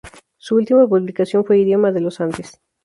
Su última publicación fue "Idioma de los Andes.